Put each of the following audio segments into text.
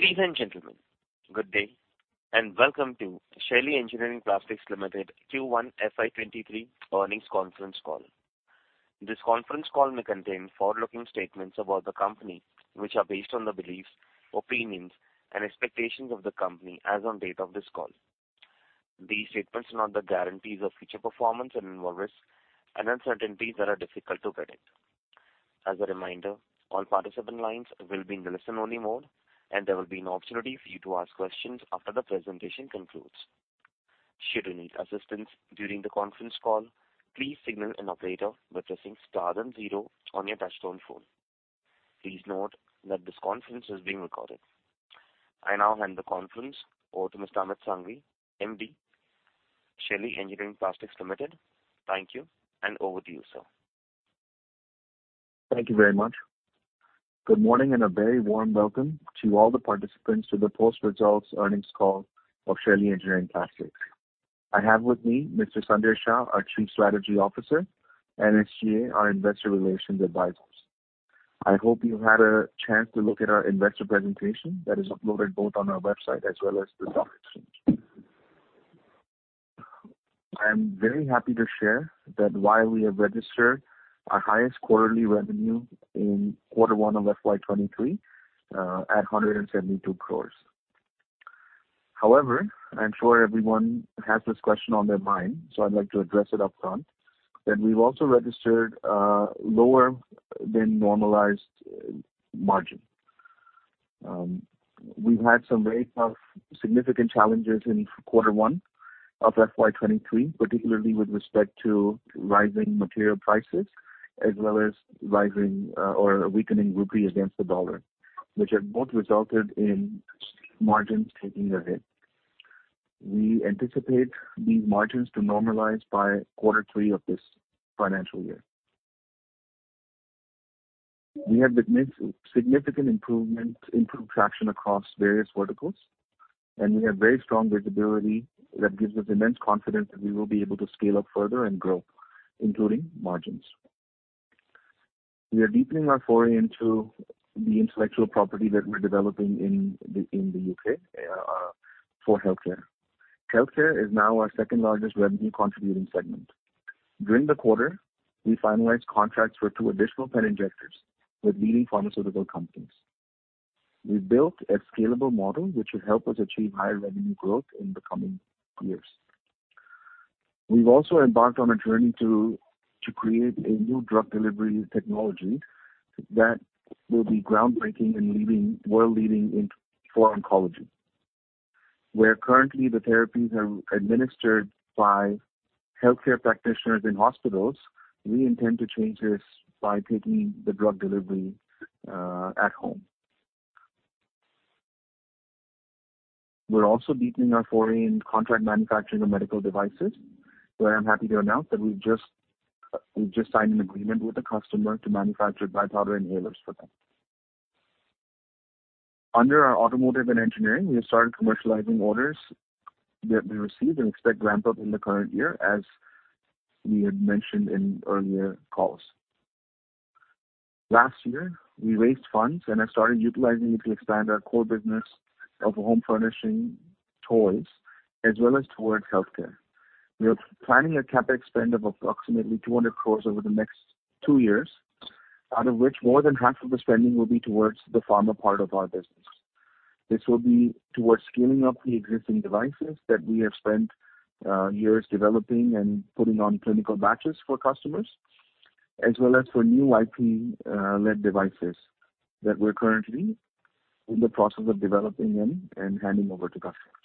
Ladies and gentlemen, good day, and welcome to Shaily Engineering Plastics Limited Q1 FY 2023 earnings conference call. This conference call may contain forward-looking statements about the company, which are based on the beliefs, opinions, and expectations of the company as on date of this call. These statements are not the guarantees of future performance and involve risks and uncertainties that are difficult to predict. As a reminder, all participant lines will be in listen-only mode, and there will be an opportunity for you to ask questions after the presentation concludes. Should you need assistance during the conference call, please signal an operator by pressing star then zero on your touchtone phone. Please note that this conference is being recorded. I now hand the conference over to Mr. Amit Sanghvi, MD, Shaily Engineering Plastics Limited. Thank you, and over to you, sir. Thank you very much. Good morning, and a very warm welcome to all the participants to the post-results earnings call of Shaily Engineering Plastics. I have with me Mr. Sanjay Shah, our Chief Strategy Officer, and SGA, our investor relations advisors. I hope you've had a chance to look at our investor presentation that is uploaded both on our website as well as the document exchange. I am very happy to share that while we have registered our highest quarterly revenue in Q1 of FY 2023 at 172 crores. However, I'm sure everyone has this question on their mind, so I'd like to address it upfront, that we've also registered lower than normalized margin. We've had some very tough significant challenges in Q1 of FY 2023, particularly with respect to rising material prices as well as rising or weakening rupee against the dollar, which have both resulted in margins taking a hit. We anticipate these margins to normalize by Q3 of this financial year. We have made significant improvement in traction across various verticals, and we have very strong visibility that gives us immense confidence that we will be able to scale up further and grow, including margins. We are deepening our foray into the intellectual property that we're developing in the U.K. for healthcare. Healthcare is now our second-largest revenue contributing segment. During the quarter, we finalized contracts for two additional pen injectors with leading pharmaceutical companies. We've built a scalable model which will help us achieve higher revenue growth in the coming years. We've also embarked on a journey to create a new drug delivery technology that will be groundbreaking and world-leading for oncology. Where currently the therapies are administered by healthcare practitioners in hospitals, we intend to change this by taking the drug delivery at home. We're also deepening our foray in contract manufacturing of medical devices, where I'm happy to announce that we've just signed an agreement with a customer to manufacture dry powder inhalers for them. Under our automotive and engineering, we have started commercializing orders that we received and expect ramp-up in the current year, as we had mentioned in earlier calls. Last year, we raised funds and have started utilizing it to expand our core business of home furnishing, toys, as well as towards healthcare. We are planning a CapEx spend of approximately 200 crores over the next two years, out of which more than half of the spending will be towards the pharma part of our business. This will be towards scaling up the existing devices that we have spent years developing and putting on clinical batches for customers, as well as for new IP-led devices that we're currently in the process of developing and handing over to customers.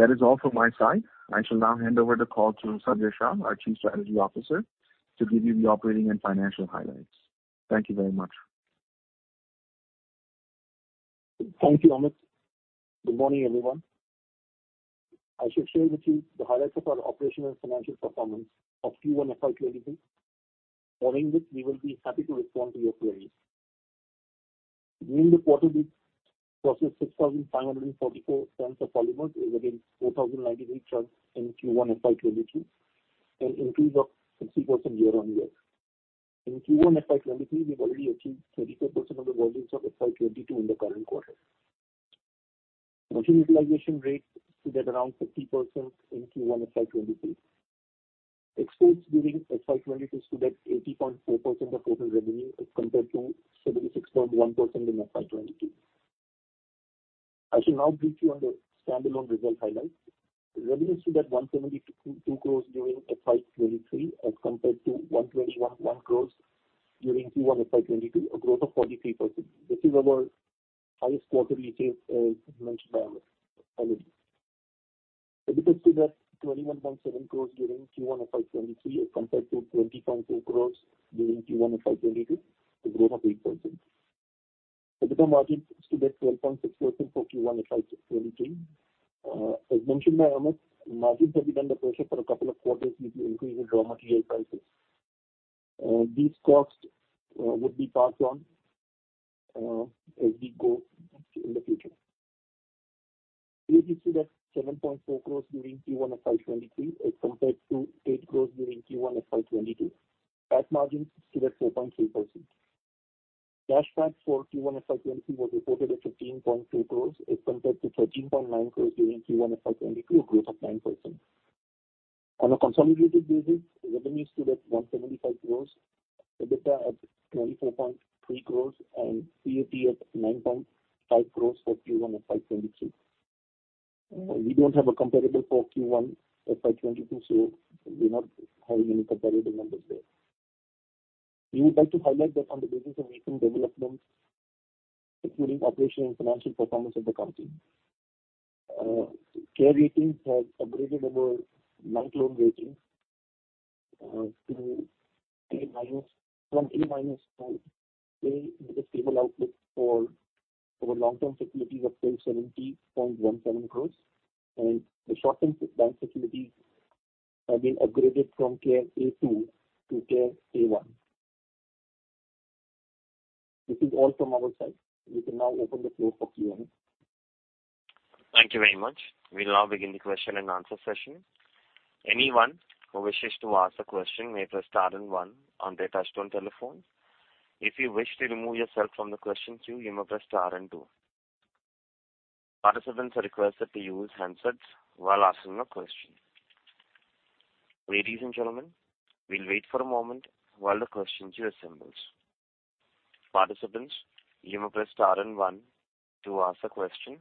That is all from my side. I shall now hand over the call to Sanjay Shah, our Chief Strategy Officer, to give you the operating and financial highlights. Thank you very much. Thank you, Amit. Good morning, everyone. I shall share with you the highlights of our operational and financial performance of Q1 FY 2023. Following this, we will be happy to respond to your queries. During the quarter, we processed 6,544 tons of polymers against 4,093 tons in Q1 FY 2022, an increase of 60% year-on-year. In Q1 FY 2023, we've already achieved 34% of the volumes of FY 2022 in the current quarter. Machine utilization rates stood at around 50% in Q1 FY 2023. Exports during FY 2023 stood at 80.4% of total revenue as compared to 76.1% in FY 2022. I shall now brief you on the standalone result highlights. Revenue stood at 172 crores during FY 2023 as compared to 121 crores during Q1 FY 2022, a growth of 43%. This is our highest quarter result, as mentioned by Amit already. EBITDA stood at INR 21.7 crores during Q1 FY 2023 as compared to 20.4 crores during Q1 FY 2022, a growth of 8%. EBITDA margin stood at 12.6% for Q1 FY 2023. As mentioned by Amit, margins have been under pressure for a couple of quarters due to increase in raw material prices. These costs would be passed on as we go in the future. We received INR 7.4 crores during Q1 FY 2023 as compared to 8 crores during Q1 FY 2022. PAT margin stood at 4.3%. Cash PAT for Q1 FY 2023 was reported at 15.3 crores as compared to 13.9 crores during Q1 FY 2022, a growth of 9%. On a consolidated basis, revenues stood at 175 crores, EBITDA at 24.3 crores, and PAT at 9.5 crores for Q1 FY 2023. We don't have a comparable for Q1 FY 2022, so we're not having any comparable numbers there. We would like to highlight that on the basis of recent developments, including operation and financial performance of the company, Care Ratings has upgraded our bank loan ratings from A- to A with a stable outlook for our long-term securities of 17.17 crores, and the short-term bank securities have been upgraded from Care A2 to Care A1. This is all from our side. We can now open the floor for Q&A. Thank you very much. We'll now begin the question and answer session. Anyone who wishes to ask a question may press star and one on their touch-tone telephone. If you wish to remove yourself from the question queue, you may press star and two. Participants are requested to use handsets while asking a question. Ladies and gentlemen, we'll wait for a moment while the question queue assembles. Participants, you may press star and one to ask a question.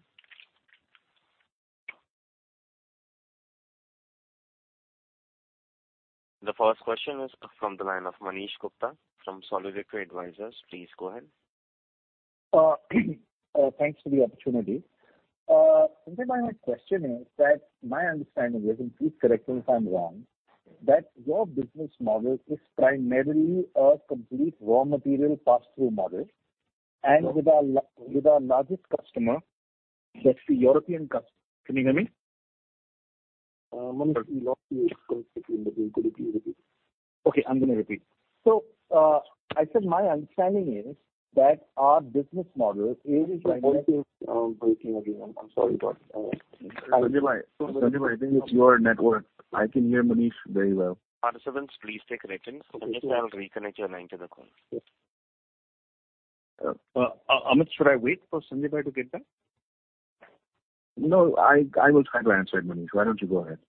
The first question is from the line of Manish Gupta from Solidarity Advisors. Please go ahead. Thanks for the opportunity. Sanjay bhai, my question is that my understanding is, and please correct me if I'm wrong, that your business model is primarily a complete raw material pass-through model. With our largest customer, that's the European customer. Can you hear me? Manish, we lost you. Could you please repeat? Okay, I'm going to repeat. I said my understanding is that our business model is- You're breaking again. I'm sorry about it. Sanjay bhai, I think it's your network. I can hear Manish very well. Participants, please stay connected. Sanjay bhai, I'll reconnect your line to the call. Amit, should I wait for Sanjay bhai to get back? No, I will try to answer it, Manish. Why don't you go ahead?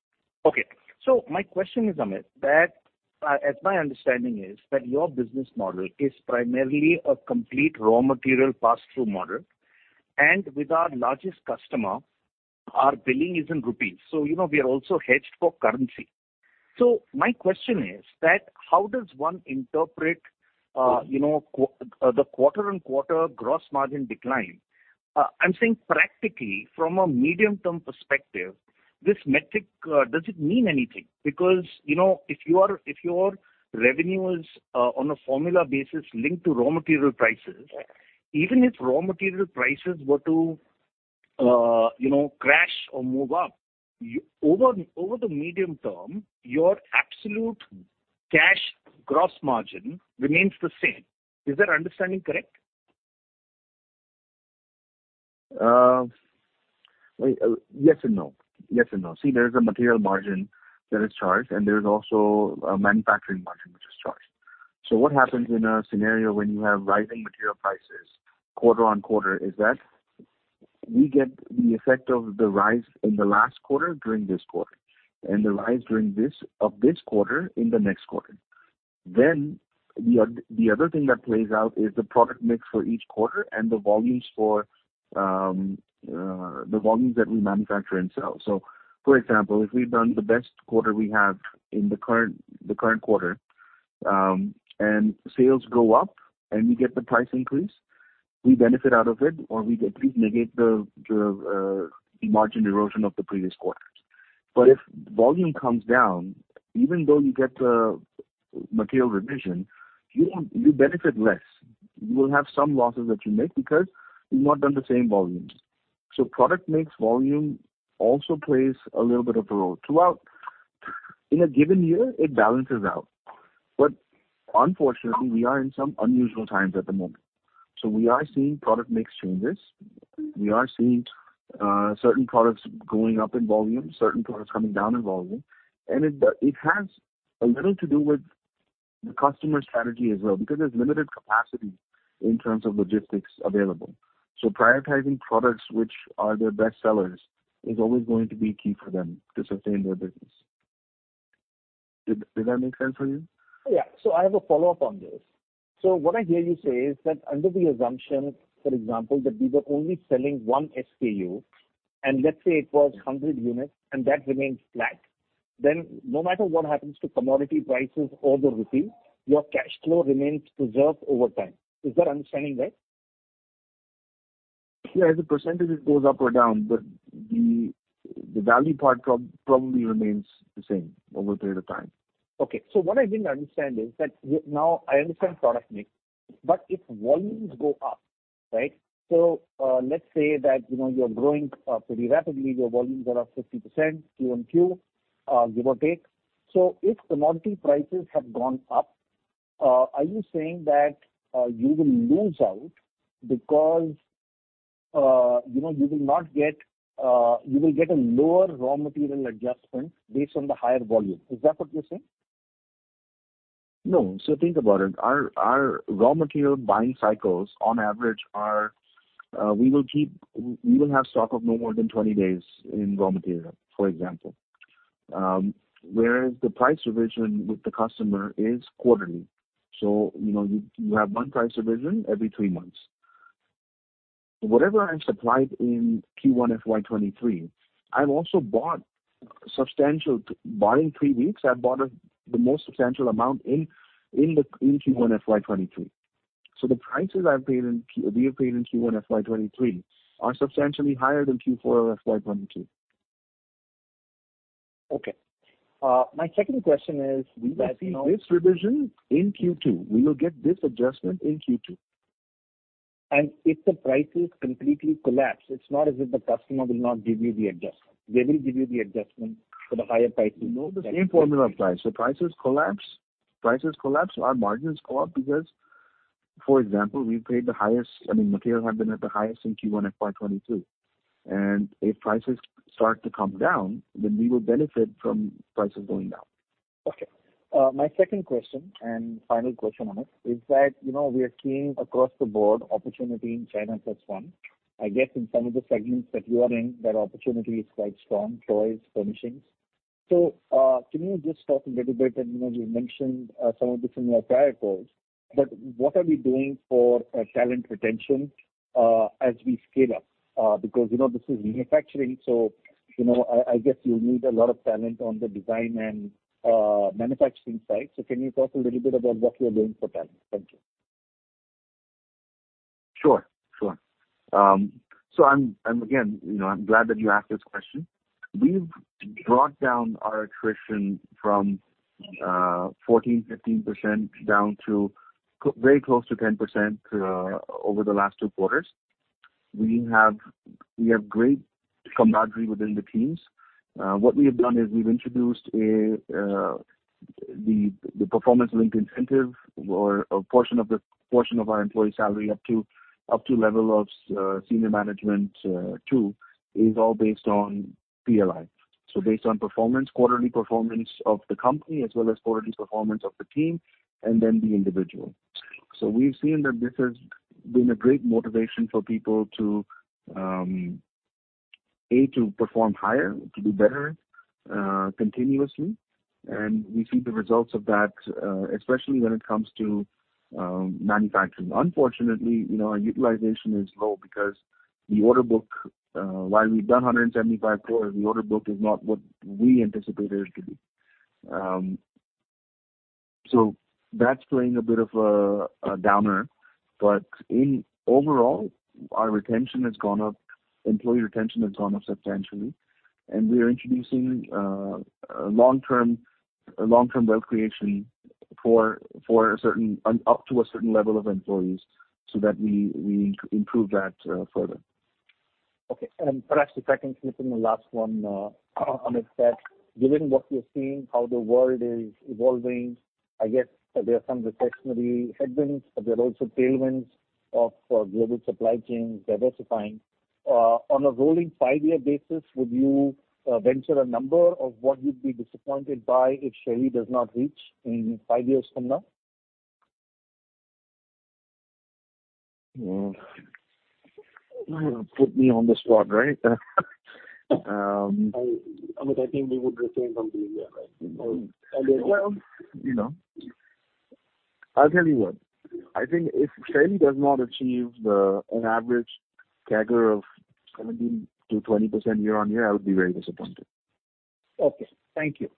My question is, Amit, that as my understanding is that your business model is primarily a complete raw material pass-through model. With our largest customer, our billing is in rupees. We are also hedged for currency. My question is that how does one interpret the quarter-on-quarter gross margin decline? I'm saying practically, from a medium-term perspective, this metric, does it mean anything? Because if your revenue is on a formula basis linked to raw material prices, even if raw material prices were to crash or move up, over the medium term, your absolute cash gross margin remains the same. Is that understanding correct? Yes and no. Yes and no. See, there is a material margin that is charged, and there is also a manufacturing margin which is charged. What happens in a scenario when you have rising material prices quarter-on-quarter is that we get the effect of the rise in the last quarter during this quarter, and the rise during of this quarter in the next quarter. The other thing that plays out is the product mix for each quarter and the volumes that we manufacture and sell. For example, if we've done the best quarter we have in the current quarter, and sales go up and we get the price increase, we benefit out of it, or we at least negate the margin erosion of the previous quarters. If volume comes down, even though you get the material revision, you benefit less. You will have some losses that you make because you've not done the same volumes. Product mix volume also plays a little bit of a role. Throughout in a given year, it balances out. Unfortunately, we are in some unusual times at the moment. We are seeing product mix changes. We are seeing certain products going up in volume, certain products coming down in volume, and it has a little to do with the customer strategy as well, because there's limited capacity in terms of logistics available. Prioritizing products which are their best sellers is always going to be key for them to sustain their business. Did that make sense for you? Yeah. I have a follow-up on this. What I hear you say is that under the assumption, for example, that we were only selling one SKU, and let's say it was 100 units, and that remains flat, then no matter what happens to commodity prices or the rupee, your cash flow remains preserved over time. Is that understanding right? Yeah. As a percentage, it goes up or down, but the value part probably remains the same over a period of time. Okay. What I didn't understand is that now I understand product mix, but if volumes go up, right? Let's say that you're growing pretty rapidly. Your volumes are up 50% Q on Q, give or take. If commodity prices have gone up? Are you saying that you will lose out because you will get a lower raw material adjustment based on the higher volume? Is that what you're saying? No. Think about it. Our raw material buying cycles on average are, we will have stock of no more than 20 days in raw material, for example. Whereas the price revision with the customer is quarterly. You have one price revision every three months. Whatever I've supplied in Q1 FY 2023, I've also bought a substantial, barring three weeks, I've bought the most substantial amount in Q1 FY 2023. The prices we have paid in Q1 FY 2023 are substantially higher than Q4 of FY 2022. Okay. My second question is that- We will see this revision in Q2. We will get this adjustment in Q2. If the prices completely collapse, it's not as if the customer will not give you the adjustment. They will give you the adjustment for the higher price you paid. No. The same formula applies. Prices collapse, our margins go up. For example, materials have been at the highest in Q1 FY2022, and if prices start to come down, then we will benefit from prices going down. Okay. My second question and final question on it is that, we are seeing across the board opportunity in China plus one. I guess in some of the segments that you are in, that opportunity is quite strong, toys, furnishings. Can you just talk a little bit, and you mentioned some of this in your prior calls, but what are we doing for talent retention as we scale up? This is manufacturing, so, I guess you need a lot of talent on the design and manufacturing side. Can you talk a little bit about what you're doing for talent? Thank you. Sure. I'm, again, glad that you asked this question. We've brought down our attrition from 14%-15% down to very close to 10% over the last two quarters. We have great camaraderie within the teams. What we have done is we've introduced the performance-linked incentive or a portion of our employee salary up to level of senior management, too, is all based on PLI. Based on performance, quarterly performance of the company as well as quarterly performance of the team, and then the individual. We've seen that this has been a great motivation for people to, A, to perform higher, to do better continuously. We see the results of that, especially when it comes to manufacturing. Unfortunately, our utilization is low because the order book, while we've done 175 crore, the order book is not what we anticipated it to be. That's playing a bit of a downer. Overall, our retention has gone up, employee retention has gone up substantially, we are introducing long-term wealth creation up to a certain level of employees so that we improve that further. Okay. Perhaps the second thing, the last one, Amit, that given what we are seeing, how the world is evolving, I guess there are some recessionary headwinds, but there are also tailwinds of global supply chains diversifying. On a rolling five-year basis, would you venture a number of what you'd be disappointed by if Shaily does not reach in five years from now? You put me on the spot, right? Amit, I think we would retain something here, right? Well, I'll tell you what. I think if Shaily does not achieve an average CAGR of 17%-20% year-on-year, I would be very disappointed. Okay. Thank you.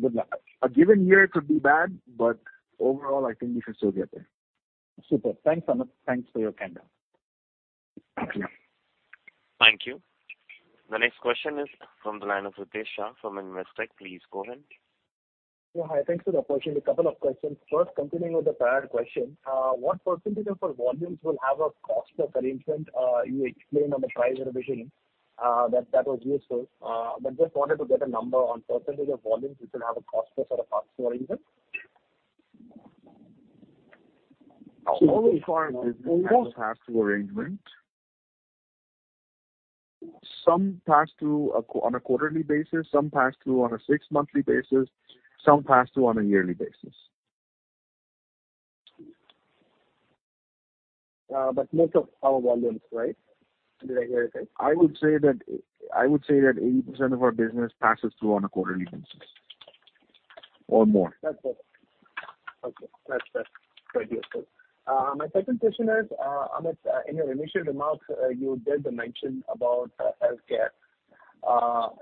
Good luck. A given year could be bad, but overall, I think we can still get there. Super. Thanks, Amit. Thanks for your candor. Thank you. Thank you. The next question is from the line of Ritesh Shah from Investec. Please go ahead. Yeah. Hi. Thanks for the opportunity. A couple of questions. First, continuing with the prior question, what percentage of volumes will have a cost-plus arrangement? You explained on the price revision, that was useful. Just wanted to get a number on percentage of volumes which will have a cost-plus or a pass-through arrangement. All of our business has a pass-through arrangement. Some pass through on a quarterly basis, some pass through on a six-monthly basis, some pass through on a yearly basis. Most of our volumes, right? Did I hear it right? I would say that 80% of our business passes through on a quarterly basis or more. That's it. Okay. That's quite useful. My second question is, Amit, in your initial remarks, you did mention about healthcare.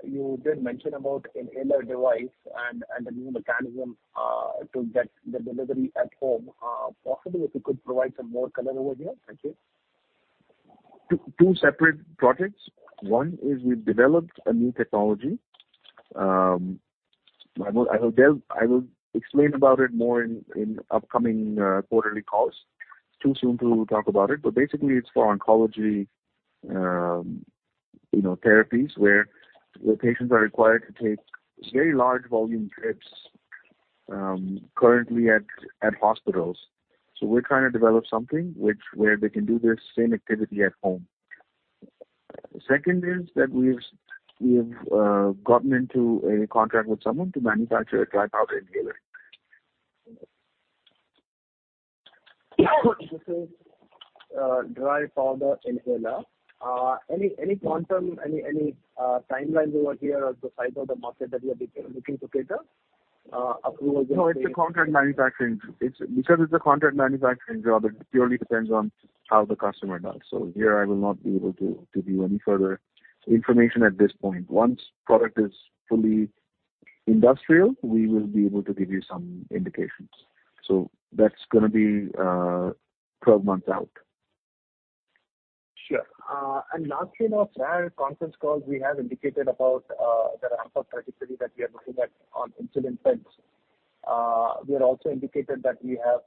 You did mention about an inhaler device and a new mechanism, to get the delivery at home. Possibly if you could provide some more color over here. Thank you. Two separate projects. One is we've developed a new technology. I will explain about it more in upcoming quarterly calls. It's too soon to talk about it. Basically, it's for oncology- therapies where patients are required to take very large volume drips currently at hospitals. We're trying to develop something where they can do this same activity at home. Second is that we've gotten into a contract with someone to manufacture a dry powder inhaler. This is dry powder inhaler. Any quantum, any timelines over here of the size of the market that you are looking to cater? It's a contract manufacturing. Because it's a contract manufacturing job, it purely depends on how the customer does. Here I will not be able to give you any further information at this point. Once product is fully industrial, we will be able to give you some indications. That's going to be 12 months out. Lastly now, prior conference calls we have indicated about the ramp-up trajectory that we are looking at on insulin pens. We had also indicated that we have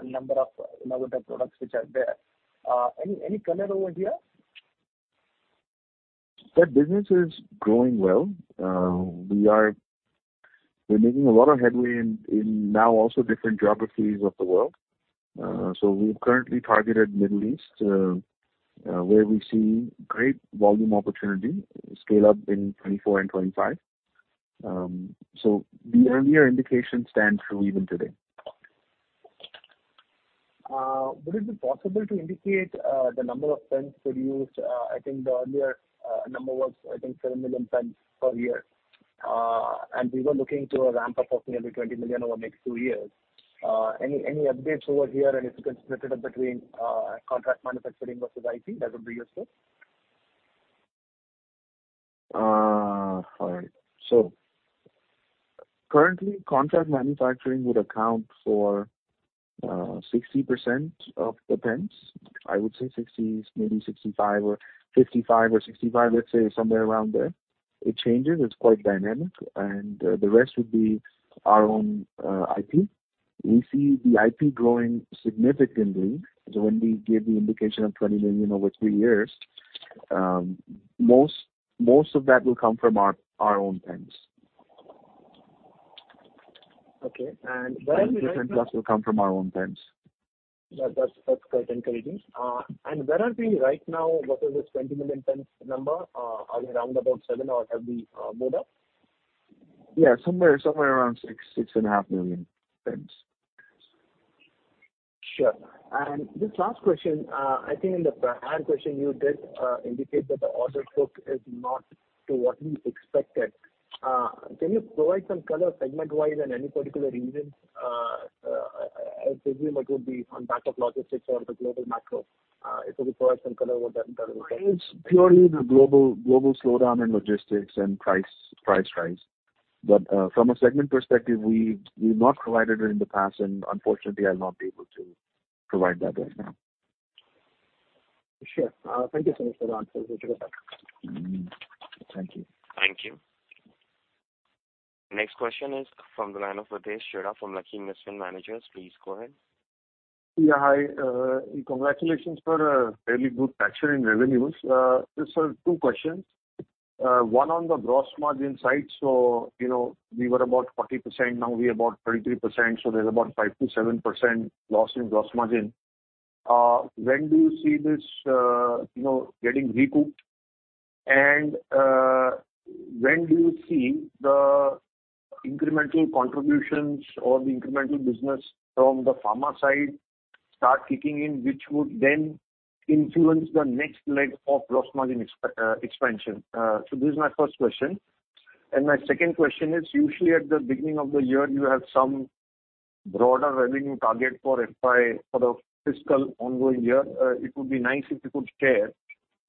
a number of innovative products which are there. Any color over here? That business is growing well. We're making a lot of headway in now also different geographies of the world. We've currently targeted Middle East, where we see great volume opportunity scale-up in 2024 and 2025. The earlier indication stands true even today. Okay. Would it be possible to indicate the number of pens produced? The earlier number was, I think, 7 million pens per year. We were looking to a ramp-up of maybe 20 million over the next 2 years. Any updates over here? If you can split it up between contract manufacturing versus IP, that would be useful. All right. Currently, contract manufacturing would account for 60% of the pens. I would say 60, maybe 65 or 55 or 65. Let's say somewhere around there. It changes. It's quite dynamic. The rest would be our own IP. We see the IP growing significantly. When we gave the indication of 20 million over 3 years, most of that will come from our own pens. Okay. Where are we right now? INR 20 million plus will come from our own pens. That's quite encouraging. Where are we right now versus this 20 million pens number? Are we around about seven or have we moved up? Yeah. Somewhere around six and a half million pens. Sure. This last question, I think in the prior question you did indicate that the order book is not to what you expected. Can you provide some color segment-wise on any particular reason? I presume it would be on back of logistics or the global macro. If you could provide some color over that would be great. It's purely the global slowdown in logistics and price rise. From a segment perspective, we've not provided it in the past, and unfortunately, I'll not be able to provide that right now. Sure. Thank you so much for the answers. I appreciate that. Thank you. Thank you. Next question is from the line of Ritesh Shirodya from Lakhin Investment Managers. Please go ahead. Hi. Congratulations for a fairly good traction in revenues. Just have two questions. One on the gross margin side. We were about 40%, now we are about 33%, there is about 5%-7% loss in gross margin. When do you see this getting recouped? When do you see the incremental contributions or the incremental business from the pharma side start kicking in, which would then influence the next leg of gross margin expansion? This is my first question. My second question is, usually at the beginning of the year, you have some broader revenue target for FY for the fiscal ongoing year. It would be nice if you could share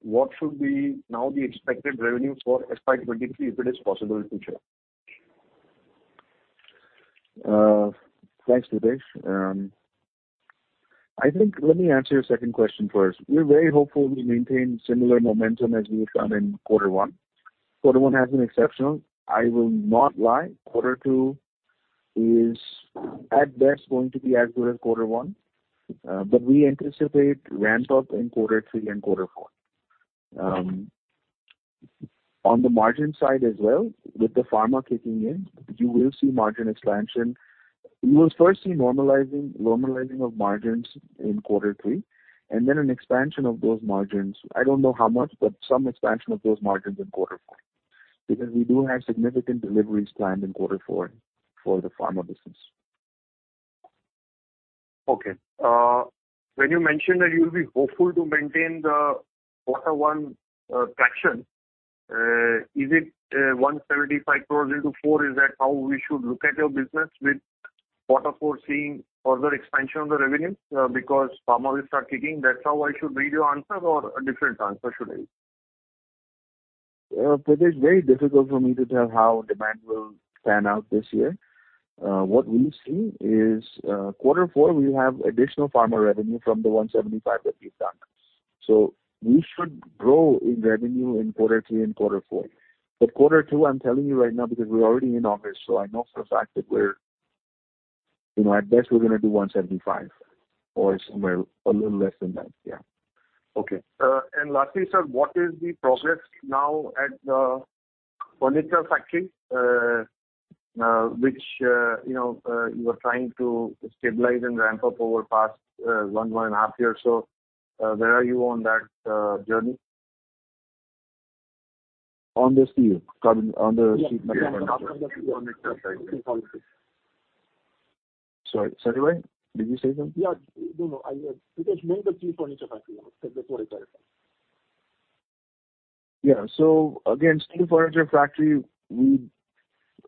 what should be now the expected revenue for FY 2023, if it is possible to share. Thanks, Ritesh. Let me answer your second question first. We are very hopeful we maintain similar momentum as we have done in quarter 1. Quarter 1 has been exceptional. I will not lie, quarter 2 is at best going to be as good as quarter 1. We anticipate ramp up in quarter 3 and quarter 4. On the margin side as well, with the pharma kicking in, you will see margin expansion. You will first see normalizing of margins in quarter 3, then an expansion of those margins. I do not know how much, some expansion of those margins in quarter 4. We do have significant deliveries planned in quarter 4 for the pharma business. When you mentioned that you will be hopeful to maintain the quarter 1 traction, is it 175 crores into 4? Is that how we should look at your business with quarter 4 seeing further expansion of the revenue? Pharma will start kicking, that is how I should read your answers or a different answer should I read? Ritesh, very difficult for me to tell how demand will pan out this year. What we see is quarter 4, we have additional pharma revenue from the 175 that we have done. We should grow in revenue in quarter 3 and quarter 4. Quarter 2, I am telling you right now because we are already in August, I know for a fact that we are at best, we are going to do 175 or somewhere a little less than that. Lastly, sir, what is the progress now at the furniture factory which you were trying to stabilize and ramp up over the past one and a half years or so. Where are you on that journey? On the steel, on the sheet metal? Sorry, did you say something? Yeah. No, because you own the steel furniture factory. Yeah. Again, steel furniture factory,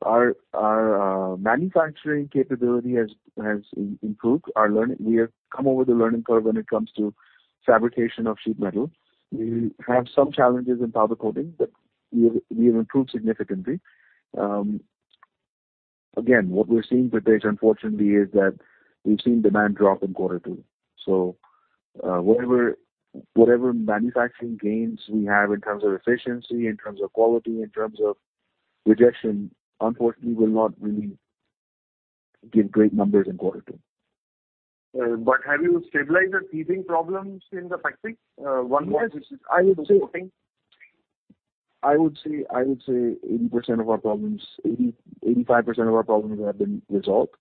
our manufacturing capability has improved. We have come over the learning curve when it comes to fabrication of sheet metal. We have some challenges in powder coating, but we have improved significantly. Again, what we're seeing with this, unfortunately, is that we've seen demand drop in quarter two. Whatever manufacturing gains we have in terms of efficiency, in terms of quality, in terms of rejection, unfortunately, will not really give great numbers in quarter two. Have you stabilized the teething problems in the factory? I would say 80% of our problems, 85% of our problems have been resolved.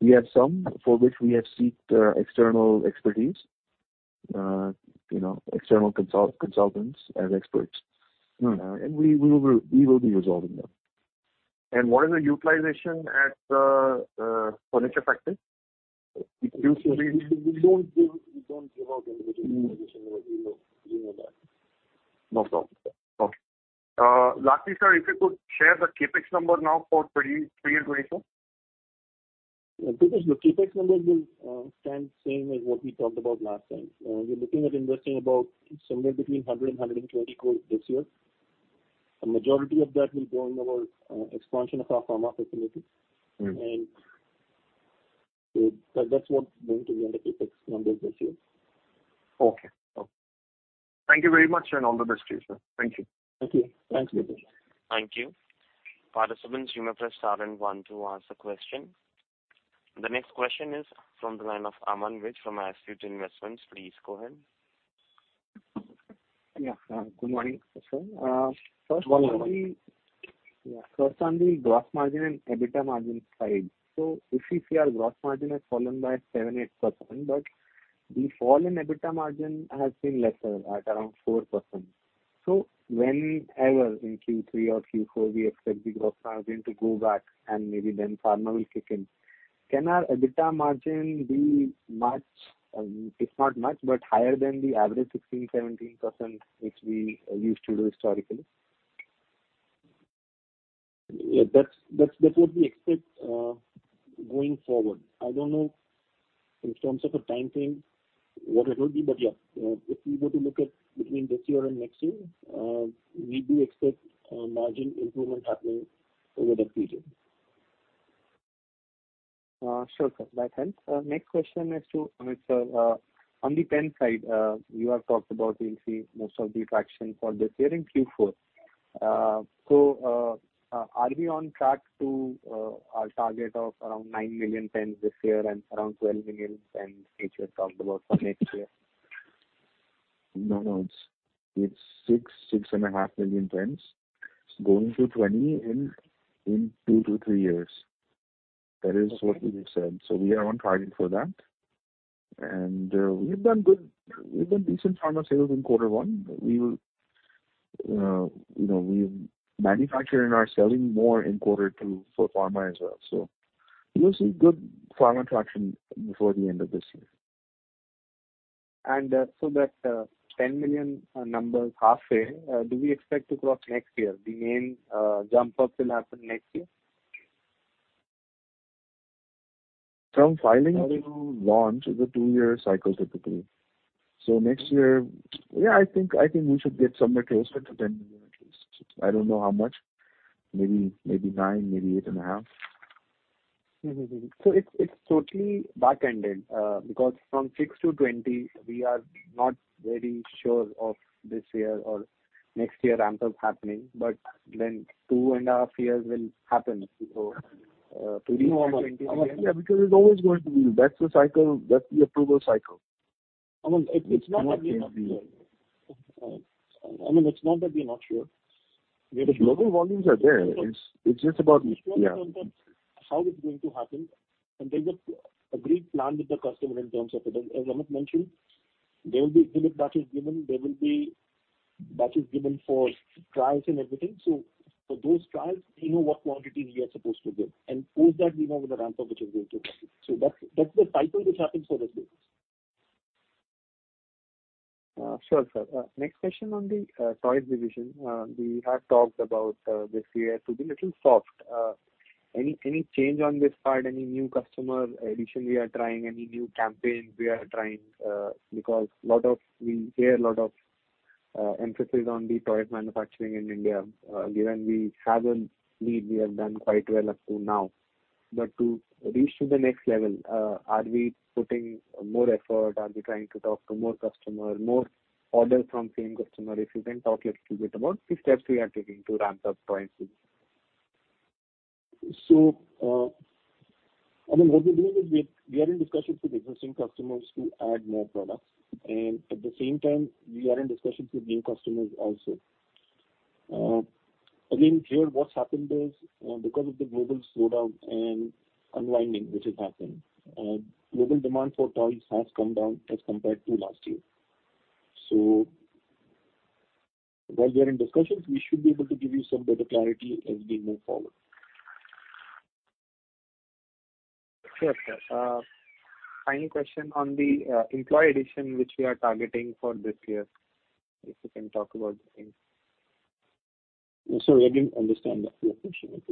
We have some for which we have sought external expertise, external consultants and experts. We will be resolving them. What is the utilization at the furniture factory? We don't give out individual utilization. You know that. No problem, sir. Okay. Lastly, sir, if you could share the CapEx number now for three year 2020. Prakash, the CapEx number will stand same as what we talked about last time. We're looking at investing about somewhere between 100 crore and 120 crore this year. A majority of that will go in our expansion of our pharma facility. That's what's going to be under CapEx numbers this year. Okay. Thank you very much, and all the best to you, sir. Thank you. Thank you. Thanks, Prakash. Thank you. Participants, you may press star and one to ask the question. The next question is from the line of Aman Vij from Axis Mutual Investments. Please go ahead. Yeah. Good morning, sir. First on the gross margin and EBITDA margin side. If you see our gross margin has fallen by seven, 8%, but the fall in EBITDA margin has been lesser, at around 4%. Whenever in Q3 or Q4, we expect the gross margin to go back and maybe then pharma will kick in. Can our EBITDA margin be much, if not much, but higher than the average 16, 17%, which we used to do historically? Yeah, that's what we expect going forward. I don't know in terms of a time frame what it will be. Yeah, if you were to look at between this year and next year, we do expect margin improvement happening over that period. Sure, sir. That helps. Next question is to Amit, sir. On the pen side, you have talked about you'll see most of the traction for this year in Q4. Are we on track to our target of around 9 million pens this year and around 12 million pens, which you had talked about for next year? No. It's 6.5 million pens going to 20 in two to three years. That is what we have said. We are on target for that. We've done decent pharma sales in quarter one. We're manufacturing and are selling more in quarter two for pharma as well. You'll see good pharma traction before the end of this year. That 10 million number is halfway. Do we expect to cross next year? The main jump up will happen next year? From filing to launch is a two-year cycle typically. Next year, yeah, I think we should get somewhere closer to 10 million at least. I don't know how much. Maybe nine, maybe eight and a half. It's totally back-ended, because from six to 20, we are not very sure of this year or next year ramp up happening, two and a half years will happen to reach Because it's always going to be. That's the approval cycle. Amit, it's not that we're not sure. Global volumes are there. We're just not sure on how it's going to happen, and there's a great plan with the customer in terms of it. As Amit mentioned, there will be batches given for trials and everything. For those trials, we know what quantity we are supposed to give. Post that we know the ramp up which is going to happen. That's the cycle which happens for this business. Sure, sir. Next question on the toys division. We had talked about this year to be little soft. Any change on this part? Any new customer addition we are trying? Any new campaign we are trying? Because we hear a lot of emphasis on the toy manufacturing in India. Given we have a lead we have done quite well up to now. To reach to the next level, are we putting more effort? Are we trying to talk to more customer, more orders from same customer? If you can talk a little bit about the steps we are taking to ramp up toys business. What we're doing is we are in discussions with existing customers to add more products. At the same time, we are in discussions with new customers also. Again, here what's happened is, because of the global slowdown and unwinding which has happened, global demand for toys has come down as compared to last year. While we are in discussions, we should be able to give you some better clarity as we move forward. Sure. Final question on the employee addition, which we are targeting for this year, if you can talk about this thing. Sorry, I didn't understand your question.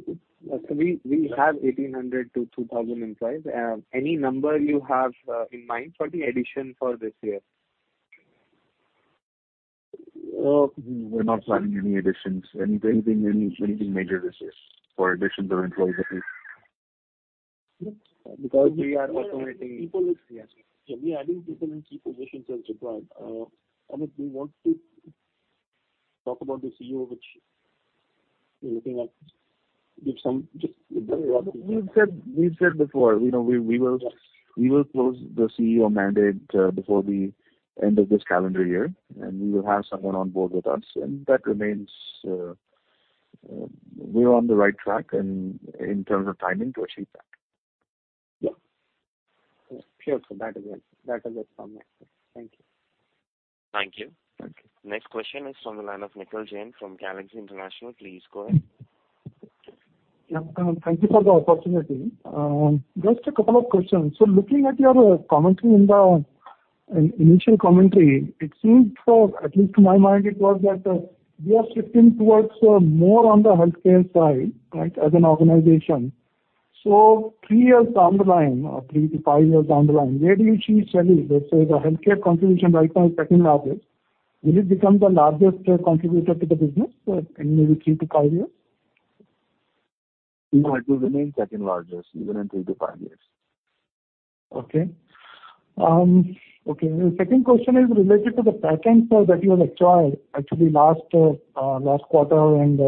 We have 1,800-2,000 employees. Any number you have in mind for the addition for this year? We're not planning anything major this year for additions or employees at least. We are accommodating people. Yes. We are adding people in key positions as required. Amit, do you want to talk about the CEO, which we're looking at? Give some, just very broadly. We've said before, we close the CEO mandate before the end of this calendar year. We will have someone on board with us. That remains. We're on the right track in terms of timing to achieve that. Yeah. Sure. That is it from my side. Thank you. Thank you. Thank you. Next question is from the line of Nikhil Jain from Galaxy International. Please go ahead. Yeah, thank you for the opportunity. Just a couple of questions. Looking at your initial commentary, it seems, at least to my mind, it was that you are shifting towards more on the healthcare side, right, as an organization. Three years down the line, or three to five years down the line, where do you see Shaily? Let's say the healthcare contribution right now is second largest. Will it become the largest contributor to the business in maybe three to five years? No, it will remain second largest even in three to five years. The second question is related to the patents that you acquired actually last quarter and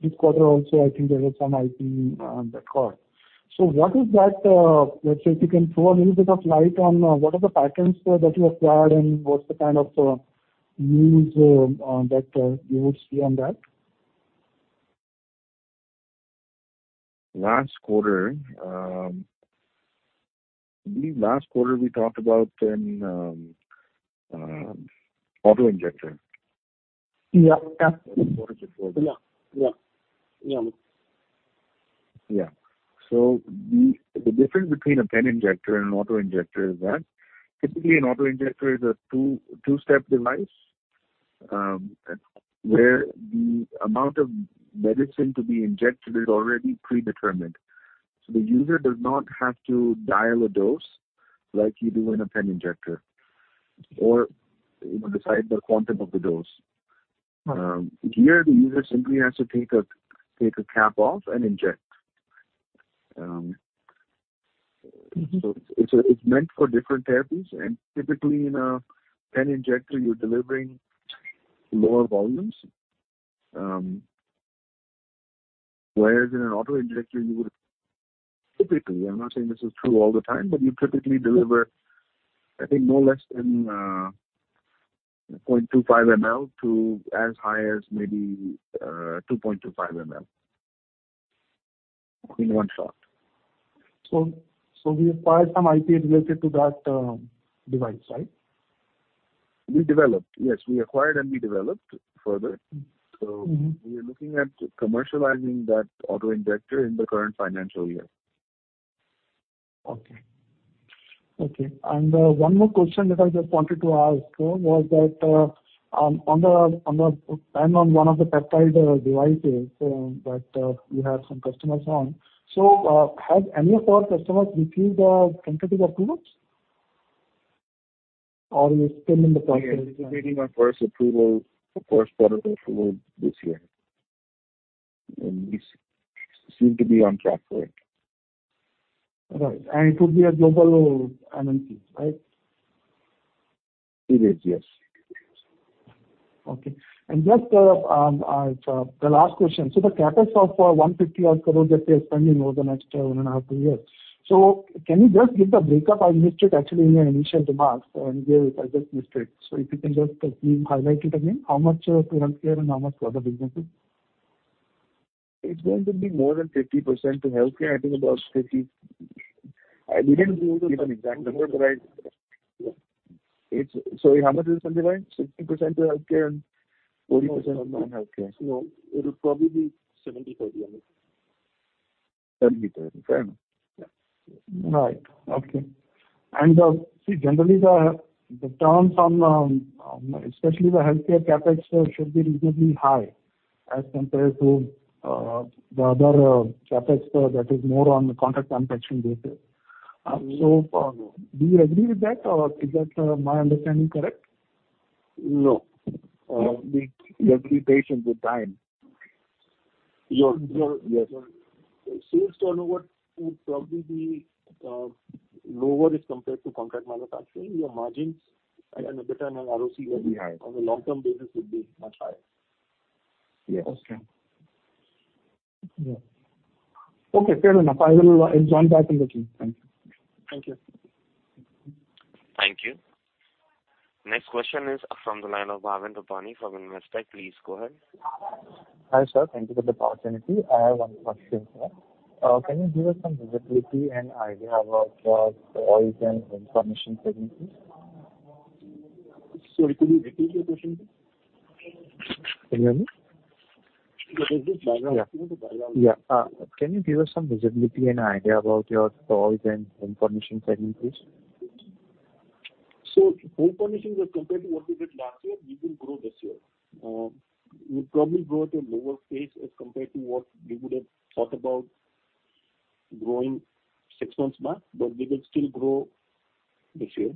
this quarter also, I think there was some IP that caught. If you can throw a little bit of light on what are the patents that you acquired and what's the kind of news that you would see on that? Last quarter, we talked about an auto-injector. Yeah. What is it for? Yeah. Yeah. The difference between a pen injector and an auto-injector is that typically an auto-injector is a two-step device, where the amount of medicine to be injected is already predetermined. The user does not have to dial a dose like you do in a pen injector or decide the quantum of the dose. Okay. Here, the user simply has to take a cap off and inject. It's meant for different therapies, and typically in a pen injector, you're delivering lower volumes, whereas in an auto-injector, you would typically, I'm not saying this is true all the time, but you typically deliver, I think no less than 0.25 ml to as high as maybe 2.25 ml in one shot. We acquired some IP related to that device, right? We developed. Yes, we acquired and we developed further. We are looking at commercializing that auto-injector in the current financial year. Okay. One more question that I just wanted to ask was that on the peptide devices that you have some customers on. Have any of our customers received the tentative approvals? Or you're still in the process? We are expecting our first approval for first quarter this year. We seem to be on track for it. All right. It would be a global MNC, right? It is, yes. Just the last question. The CapEx of 150 odd crore that you are spending over the next one and a half, two years. Can you just give the breakup? I missed it actually in your initial remarks, and here I just missed it. If you can just please highlight it again, how much to healthcare and how much to other businesses? It's going to be more than 50% to healthcare. I think about 50. I didn't give an exact number, right? Yeah. Sorry, how much did I say? 60% to healthcare and 40% non-healthcare. No. It will probably be 70/30, I think. 30, fair enough. Yeah. Right. Okay. See, generally, the return from especially the healthcare CapEx should be reasonably high as compared to the other CapEx that is more on the contract manufacturing basis. Do you agree with that, or is my understanding correct? No. We agree patient with time. Your- Yes. Sales turnover would probably be lower as compared to contract manufacturing. Your margins. The return on RoCE will be high. On the long-term basis, it will be much higher. Yes. Okay. Yeah. Okay, fair enough. I will join back in the queue. Thank you. Thank you. Thank you. Next question is from the line of Bhavin Rupani from Investec. Please go ahead. Hi, sir. Thank you for the opportunity. I have one question, sir. Can you give us some visibility and idea about your toys and home furnishings segment, please? Sir, could you repeat your question, please? Can you hear me? There's this background. There's a lot of background noise. Yeah. Can you give us some visibility and idea about your toys and home furnishings segment, please? Home furnishings as compared to what we did last year, we will grow this year. We'd probably grow at a lower pace as compared to what we would've thought about growing six months back, but we will still grow this year.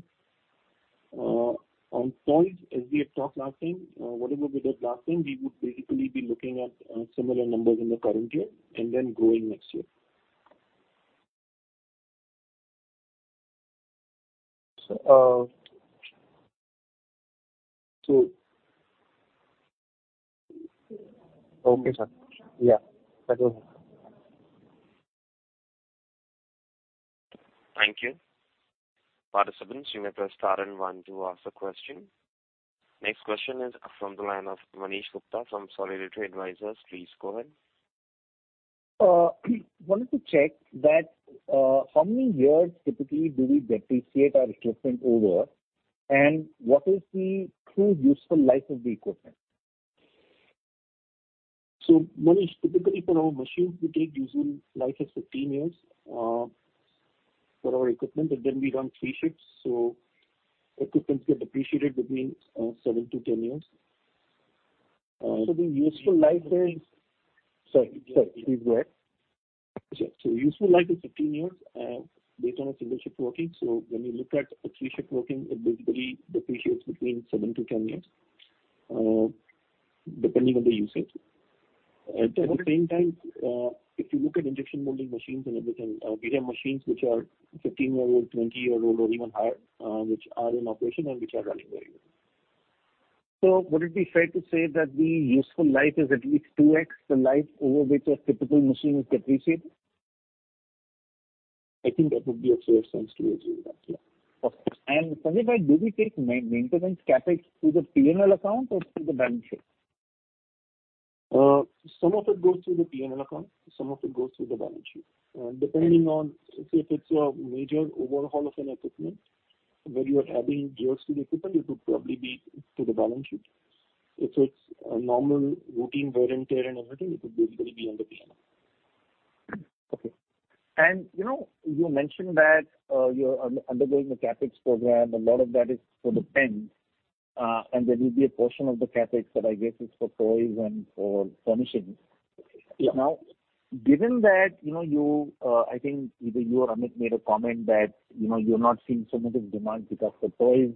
On toys, as we had talked last time, whatever we did last time, we would basically be looking at similar numbers in the current year and then growing next year. Okay, sir. Yeah. That was it. Thank you. Participants, you may press star and one to ask a question. Next question is from the line of Manish Gupta from Solidarity Advisors. Please go ahead. Wanted to check that how many years typically do we depreciate our equipment over, and what is the true useful life of the equipment? Manish, typically for our machines, we take useful life as 15 years for our equipment, and then we run three shifts, so equipment get depreciated between seven to 10 years. The useful life there is- Sorry. Please go ahead. Useful life is 15 years based on a single shift working. When you look at a three-shift working, it basically depreciates between 7 to 10 years, depending on the usage. At the same time, if you look at injection molding machines and everything, we have machines which are 15-year-old, 20-year-old, or even higher, which are in operation and which are running very well. Would it be fair to say that the useful life is at least 2x the life over which a typical machine is depreciated? I think that would be a fair assumption to assume that, yeah. Okay. Sanjay, do we take maintenance CapEx to the P&L account or to the balance sheet? Some of it goes to the P&L account, some of it goes to the balance sheet. Depending on if it's a major overhaul of an equipment where you are adding gears to the equipment, it would probably be to the balance sheet. If it's a normal routine wear and tear and everything, it would basically be under P&L. Okay. You mentioned that you're undergoing the CapEx program. A lot of that is for the PENS, and there will be a portion of the CapEx that I guess is for toys and for furnishings. Yeah. Given that, I think either you or Amit made a comment that you're not seeing so much of demand pick up for toys.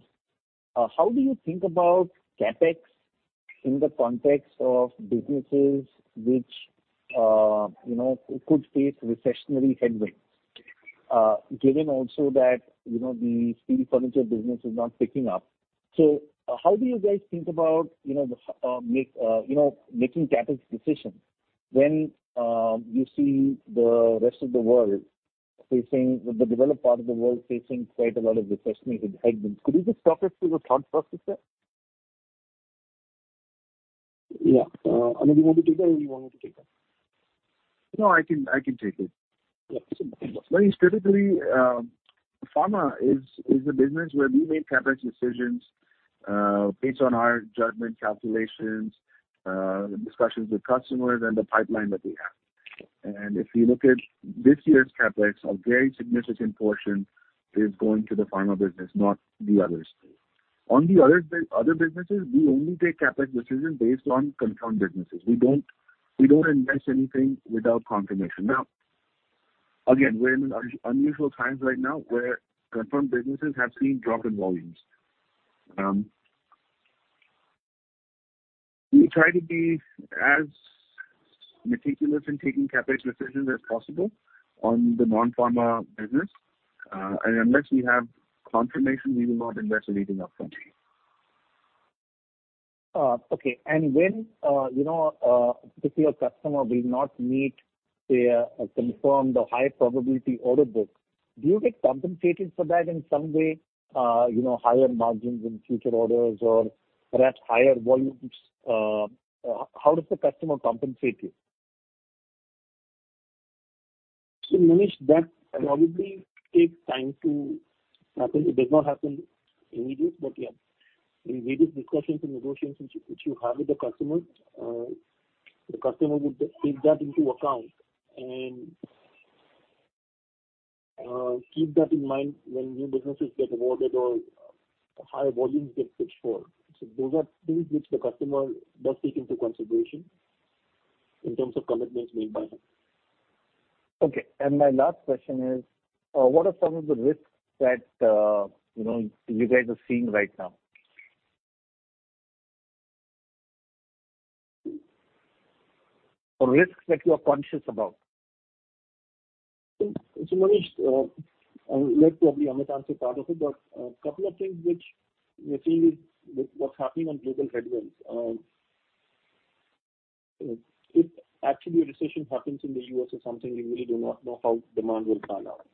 How do you think about CapEx in the context of businesses which could face recessionary headwinds, given also that the steel furniture business is not picking up. How do you guys think about making CapEx decisions when you see the rest of the world facing, the developed part of the world facing quite a lot of recessionary headwinds? Could you just talk us through the thought process there? Yeah. Amit, you want me to take that or you want me to take that? No, I can take it. Yeah. Manish, typically, pharma is a business where we make CapEx decisions based on our judgment calculations, discussions with customers, and the pipeline that we have. If you look at this year's CapEx, a very significant portion is going to the pharma business, not the other space. On the other businesses, we only take CapEx decisions based on confirmed businesses. We don't invest anything without confirmation. Now, again, we're in unusual times right now where confirmed businesses have seen drop in volumes. We try to be as meticulous in taking CapEx decisions as possible on the non-pharma business. Unless we have confirmation, we will not invest anything upfront. Okay. When a particular customer does not meet their confirmed or high probability order book, do you get compensated for that in some way, higher margins in future orders or perhaps higher volumes? How does the customer compensate you? Manish, that probably takes time to happen. It does not happen immediately. Yeah, in various discussions and negotiations which you have with the customer, the customer would take that into account and keep that in mind when new businesses get awarded or higher volumes get pitched for. Those are things which the customer does take into consideration in terms of commitments made by him. Okay. My last question is, what are some of the risks that you guys are seeing right now? Risks that you are conscious about. Manish, I would like probably Amit answer part of it. A couple of things which we feel with what's happening on global headwinds. If actually a recession happens in the U.S. or something, we really do not know how demand will pan out.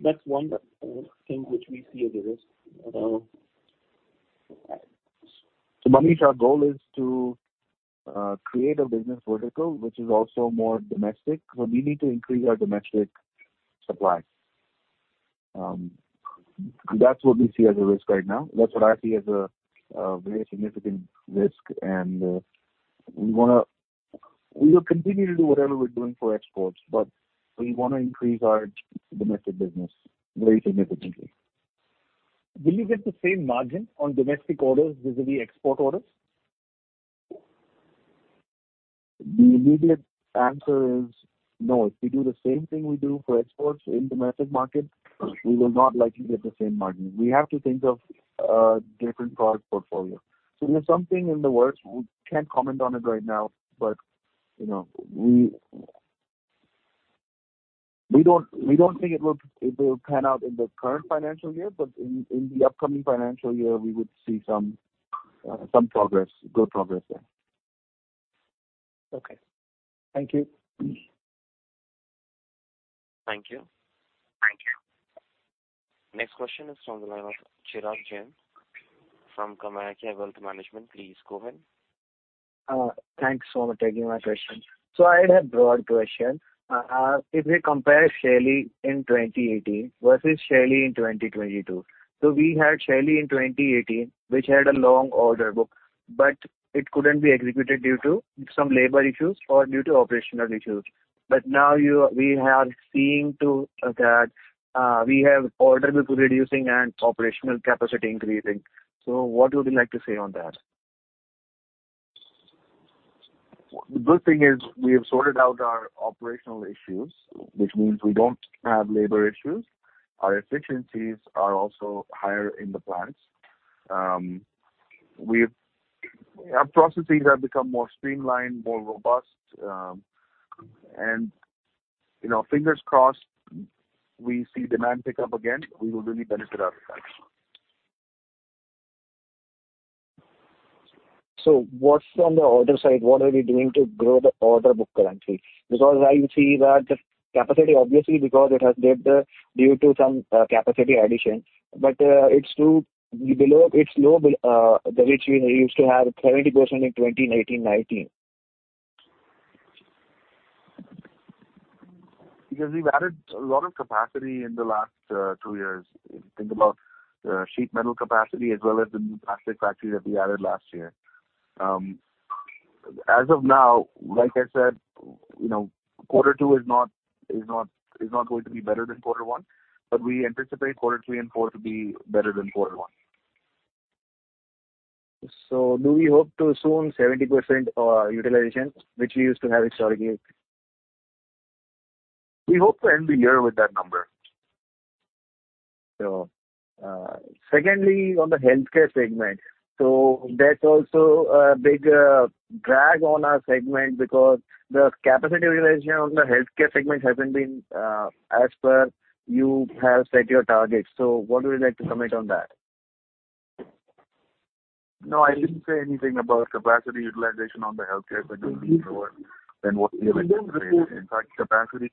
That's one thing which we see as a risk. Manish, our goal is to create a business vertical, which is also more domestic. We need to increase our domestic supply. That's what we see as a risk right now. That's what I see as a very significant risk. We will continue to do whatever we're doing for exports, but we want to increase our domestic business very significantly. Will you get the same margin on domestic orders as the export orders? The immediate answer is no. If we do the same thing we do for exports in domestic market, we will not likely get the same margin. We have to think of a different product portfolio. There's something in the works. We can't comment on it right now, but we don't think it will pan out in the current financial year. In the upcoming financial year, we would see some progress, good progress there. Okay. Thank you. Thank you. Thank you. Next question is from the line of Chirag Jain from Kamaaya Wealth Management. Please go ahead. Thanks for taking my question. I had a broad question. If we compare Shaily in 2018 versus Shaily in 2022. We had Shaily in 2018, which had a long order book, but it couldn't be executed due to some labor issues or due to operational issues. Now we have seen to that, we have order book reducing and operational capacity increasing. What would you like to say on that? The good thing is we have sorted out our operational issues, which means we don't have labor issues. Our efficiencies are also higher in the plants. Our processes have become more streamlined, more robust, fingers crossed, we see demand pick up again, we will really benefit out of that. What's on the order side? What are we doing to grow the order book currently? I see that the capacity, obviously, because it has dipped due to some capacity addition, but it's below that which we used to have 70% in 2018, '19. We've added a lot of capacity in the last two years. If you think about sheet metal capacity as well as the new plastic factory that we added last year. As of now, like I said, quarter two is not going to be better than quarter one, we anticipate quarter three and four to be better than quarter one. Do we hope to soon 70% utilization, which we used to have historically? We hope to end the year with that number. Secondly, on the healthcare segment. That's also a big drag on our segment because the capacity realization on the healthcare segment hasn't been as per you have set your targets. What would you like to comment on that? No, I didn't say anything about capacity utilization on the healthcare segment being lower than what we have anticipated. In fact, capacity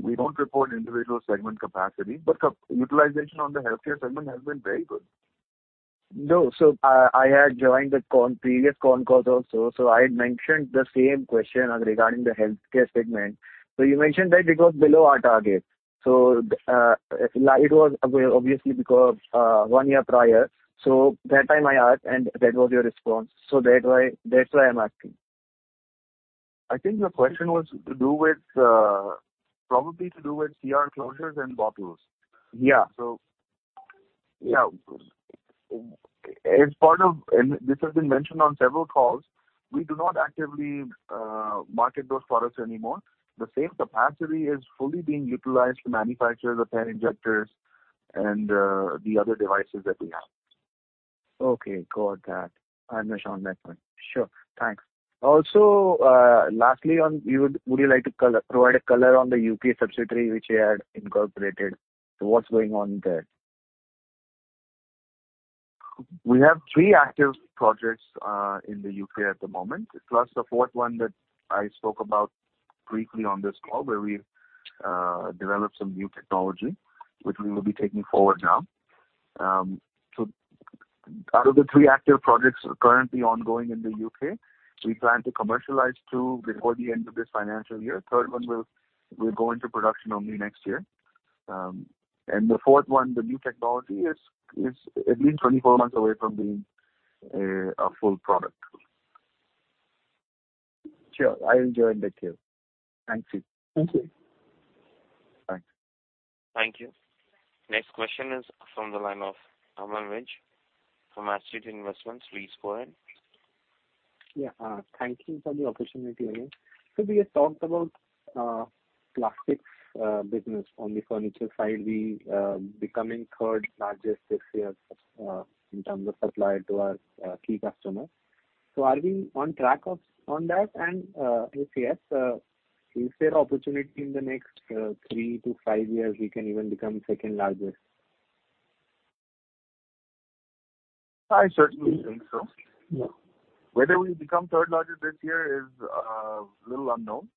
we don't report individual segment capacity, but utilization on the healthcare segment has been very good. No. I had joined the previous con call also. I had mentioned the same question regarding the healthcare segment. You mentioned that it was below our target. It was obviously because, one year prior. That time I asked, and that was your response. That's why I'm asking. I think your question was probably to do with CR closures and bottles. Yeah. Yeah. This has been mentioned on several calls. We do not actively market those products anymore. The same capacity is fully being utilized to manufacture the pen injectors and the other devices that we have. Okay, got that. I understand that one. Sure. Thanks. Also, lastly, would you like to provide a color on the U.K. subsidiary which you had incorporated? What's going on there? We have three active projects in the U.K. at the moment, plus the fourth one that I spoke about briefly on this call, where we've developed some new technology, which we will be taking forward now. Out of the three active projects currently ongoing in the U.K., we plan to commercialize two before the end of this financial year. The third one will go into production only next year. The fourth one, the new technology, is at least 24 months away from being a full product. Sure. I enjoyed that here. Thank you. Thank you. Thank you. Next question is from the line of Aman Vij from Asset Investment. Please go ahead. Thank you for the opportunity again. Sir, we had talked about plastics business. On the furniture side, we becoming third largest this year in terms of supplier to our key customers. Are we on track on that? If yes, is there opportunity in the next three to five years we can even become second largest? I certainly think so. Yeah. Whether we become third largest this year is a little unknown.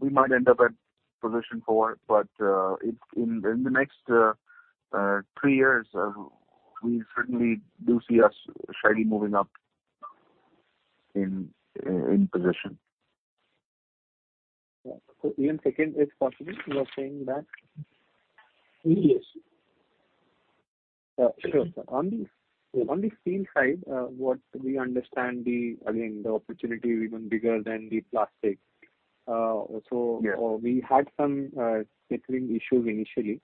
We might end up at position 4. In the next three years, we certainly do see us surely moving up in position. Yeah. Even second is possible, you are saying that? Yes. Sure, sir. On the steel side, what we understand, again, the opportunity even bigger than the plastics. Yeah. We had some settling issues initially.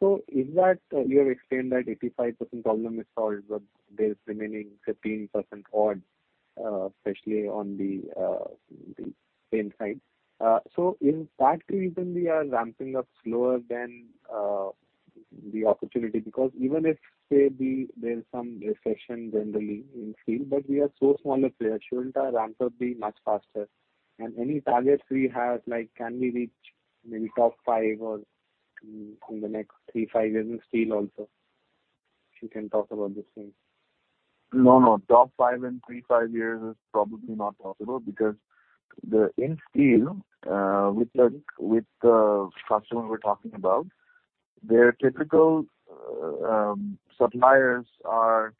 You have explained that 85% problem is solved, but there's remaining 15% odd, especially on the steel side. Is that reason we are ramping up slower than the opportunity? Even if, say, there's some recession generally in steel, but we are so small a player, shouldn't our ramp up be much faster? Any targets we have, like can we reach maybe top five in the next three, five years in steel also? If you can talk about this thing. No, no. Top five in three, five years is probably not possible because in steel, with the customer we're talking about, their typical suppliers are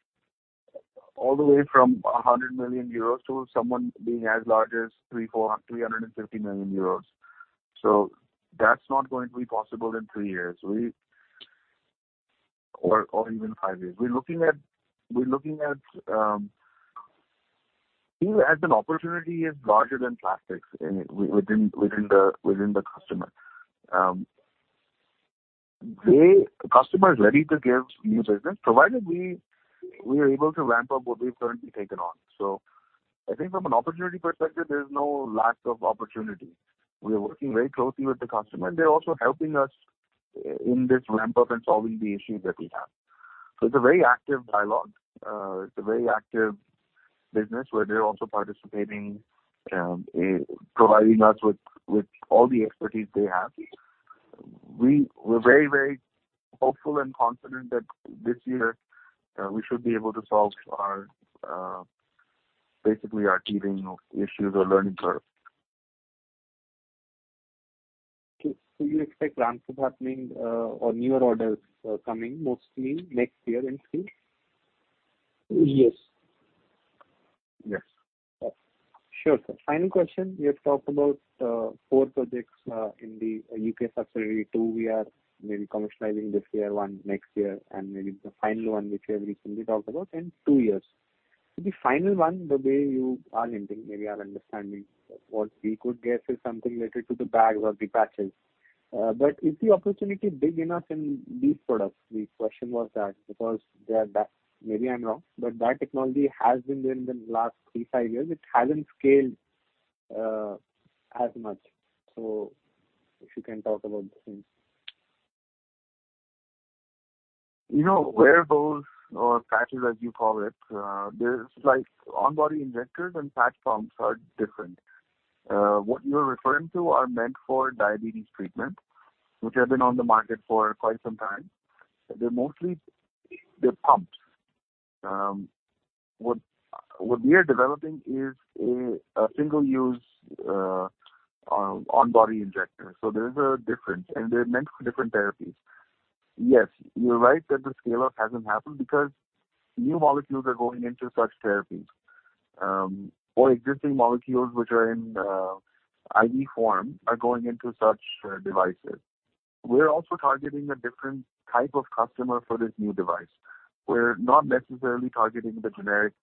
all the way from 100 million euros to someone being as large as 300 million euros, 400 million, 350 million euros. That's not going to be possible in three years or even five years. Steel as an opportunity is larger than plastics within the customer. The customer is ready to give new business provided we are able to ramp up what we've currently taken on. I think from an opportunity perspective, there's no lack of opportunity. We are working very closely with the customer, and they're also helping us in this ramp-up and solving the issues that we have. It's a very active dialogue. It's a very active business where they're also participating, providing us with all the expertise they have. We're very, very hopeful and confident that this year we should be able to solve basically our teething issues or learning curve. Okay. You expect ramp-up happening or newer orders coming mostly next year in Shaily? Yes. Okay. Sure, sir. Final question. You have talked about four projects in the U.K. subsidiary. Two we are maybe commercializing this year, one next year, and maybe the final one, which you have recently talked about in two years. The final one, the way you are hinting, maybe our understanding, what we could guess is something related to the bags or the patches. Is the opportunity big enough in these products? The question was that, because, maybe I'm wrong, but that technology has been there in the last three, five years. It hasn't scaled as much. If you can talk about this thing. Wearables or patches as you call it, like on-body injectors and patch pumps are different. What you're referring to are meant for diabetes treatment, which have been on the market for quite some time. They're pumps. What we are developing is a single-use on-body injector. There is a difference, and they're meant for different therapies. Yes, you're right that the scale-up hasn't happened because new molecules are going into such therapies, or existing molecules which are in IV form are going into such devices. We're also targeting a different type of customer for this new device. We're not necessarily targeting the generic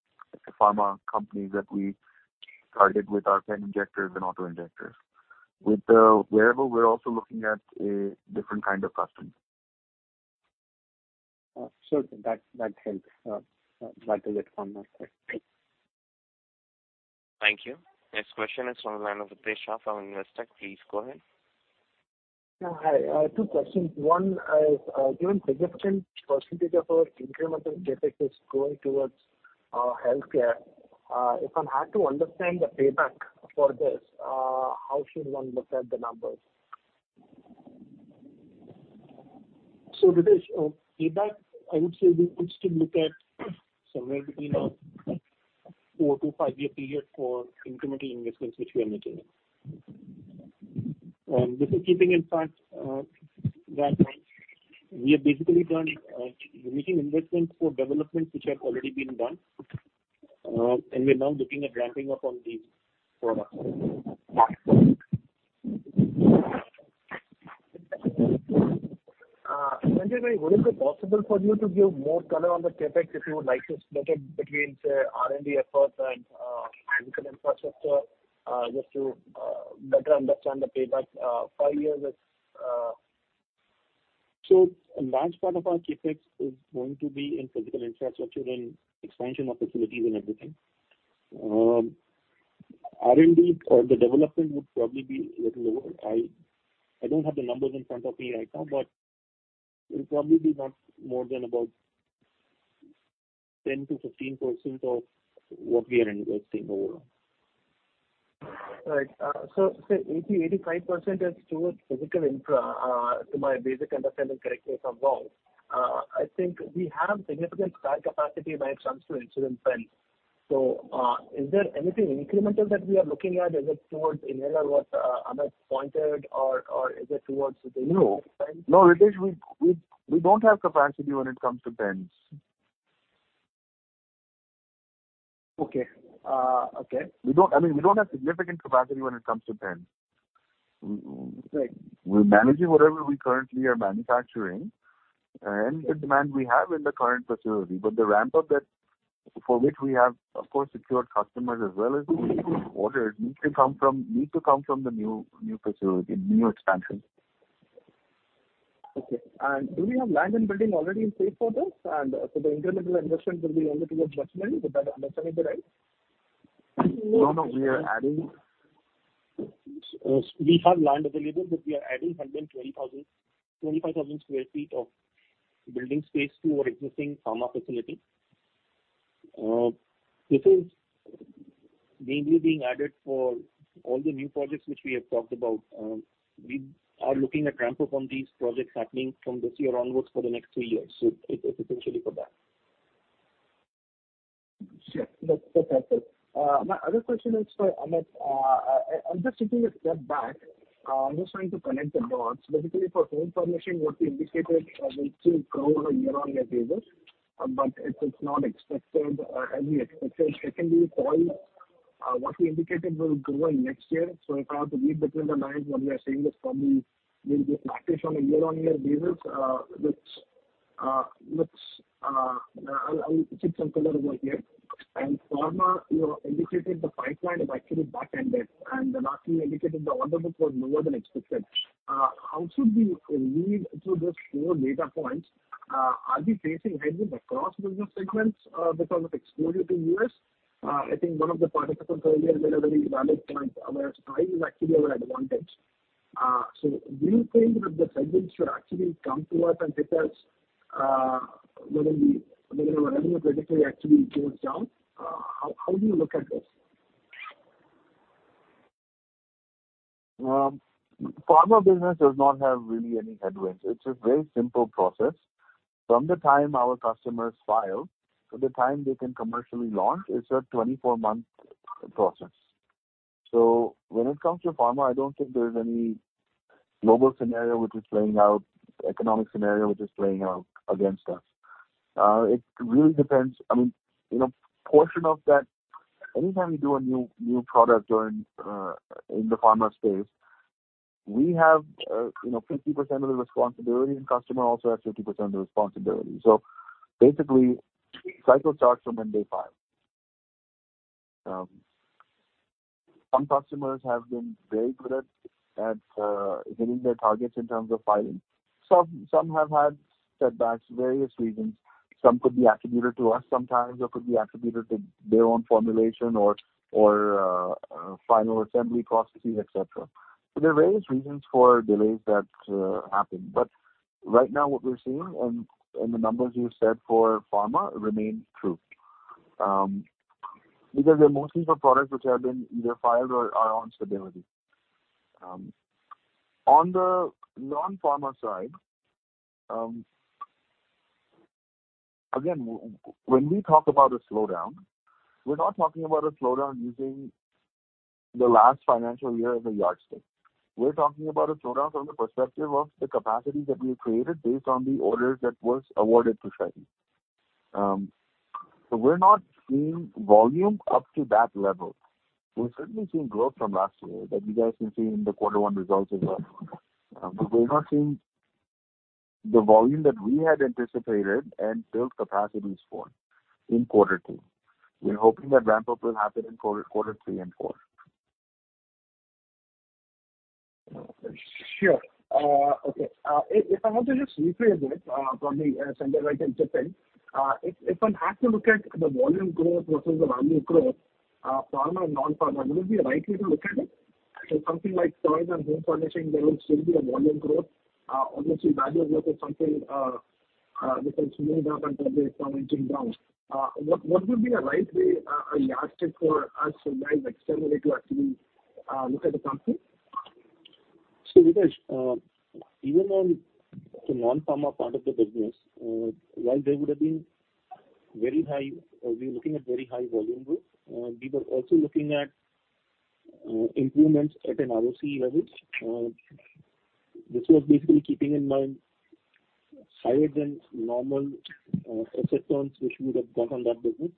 pharma companies that we targeted with our pen injectors and auto-injectors. With the wearable, we're also looking at a different kind of customer. Sure, sir. That helps. That is it from my side. Thank you. Next question is from the line of Ritesh Shah from Investec. Please go ahead. Hi. Two questions. One is, given significant percentage of our incremental CapEx is going towards healthcare, if one had to understand the payback for this, how should one look at the numbers? Ritesh, payback, I would say we would still look at somewhere between a four- to five-year period for incremental investments which we are making. This is keeping in fact that we are basically making investments for developments which have already been done, and we are now looking at ramping up on these products. Sanjay bhai, would it be possible for you to give more color on the CapEx if you would like to split it between, say, R&D efforts and infrastructure just to better understand the payback? A large part of our CapEx is going to be in physical infrastructure and expansion of facilities and everything. R&D or the development would probably be a little lower. I don't have the numbers in front of me right now, but it will probably be not more than about 10%-15% of what we are investing overall. Right. 80%-85% is towards physical infra, to my basic understanding, correct me if I'm wrong. I think we have significant spare capacity when it comes to insulin pens. Is there anything incremental that we are looking at? Is it towards inhaler what Amit pointed, or is it towards the insulin pens? No, Ritesh, we don't have capacity when it comes to pens. Okay. I mean, we don't have significant capacity when it comes to pens. Right. We're managing whatever we currently are manufacturing and the demand we have in the current facility. The ramp-up that for which we have, of course, secured customers as well as orders need to come from the new facility, new expansion. Okay. Do we have land and building already in place for this? The incremental investment will be only to the equipment. Would that understanding be right? No, we are adding. We have land available, we are adding 125,000 sq ft of building space to our existing pharma facility. This is mainly being added for all the new projects which we have talked about. We are looking at ramp-up on these projects happening from this year onwards for the next three years, so it's essentially for that. Sure. That is perfect. My other question is for Amit. I am just taking a step back. I am just trying to connect the dots. Basically for home furnishing, what you indicated will still grow on a year-on-year basis, but it is not as we expected. Secondly, toys, what you indicated will grow in next year. If I have to read between the lines, what we are saying is probably will be flattish on a year-on-year basis, which I will keep some color over here. Pharma, you indicated the pipeline is actually backended and then lastly indicated the order book was lower than expected. How should we read through these four data points? Are we facing headwinds across business segments because of exposure to U.S.? I think one of the participants earlier made a very valid point where time is actually our advantage. Do you think that the segments should actually come to us and hit us whether the revenue trajectory actually goes down? How do you look at this? Pharma business does not have really any headwinds. It is a very simple process. From the time our customers file to the time they can commercially launch, it is a 24-month process. When it comes to pharma, I do not think there is any global scenario which is playing out, economic scenario which is playing out against us. It really depends. I mean, anytime you do a new product in the pharma space, we have 50% of the responsibility and customer also has 50% of the responsibility. Basically, cycle starts from when they file. Some customers have been very good at hitting their targets in terms of filing. Some have had setbacks, various reasons. Some could be attributed to us sometimes, or could be attributed to their own formulation or final assembly processes, et cetera. There are various reasons for delays that happen. Right now what we are seeing and the numbers you said for pharma remain true. They are mostly for products which either have been either filed or are on stability. On the non-pharma side, again, when we talk about a slowdown, we are not talking about a slowdown using the last financial year as a yardstick. We are talking about a slowdown from the perspective of the capacity that we have created based on the orders that was awarded to Shaily. We are not seeing volume up to that level. We are certainly seeing growth from last year that you guys can see in the quarter one results as well. We are not seeing the volume that we had anticipated and built capacities for in quarter two. We are hoping that ramp-up will happen in quarter three and four. Sure. Okay. If I want to just rephrase it from the Keiretsu and Japan. If one had to look at the volume growth versus the value growth, pharma and non-pharma, would it be a right way to look at it? Something like toys and home furnishing, there will still be a volume growth. Obviously, value growth is something which has coming down and probably it's coming to ground. What would be a right way, a yardstick for us guys externally to actually look at the company? Ritesh even on the non-pharma part of the business, while we're looking at very high volume growth. We were also looking at improvements at an RoCE level. This was basically keeping in mind higher than normal acceptance which we would have got on that business.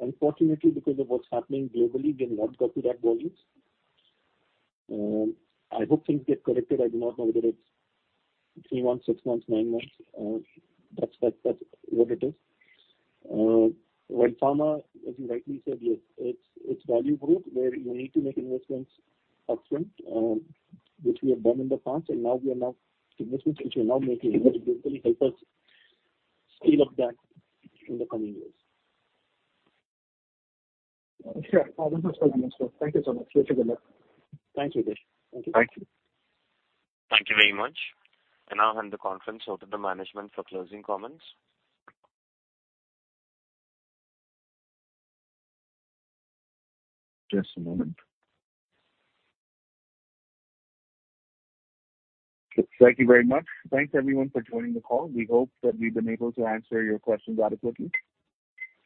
Unfortunately, because of what's happening globally, we have not got to that volumes. I hope things get corrected. I do not know whether it's three months, six months, nine months. That's what it is. While pharma, as you rightly said, yes, it's value growth where you need to make investments upfront, which we have done in the past, and now investments which we are now making which will basically help us scale up that in the coming years. Sure. All those questions answered. Thank you so much. Wish you good luck. Thanks, Ritesh. Thank you. Thank you very much. I now hand the conference over to management for closing comments. Just a moment. Thank you very much. Thanks, everyone, for joining the call. We hope that we've been able to answer your questions adequately.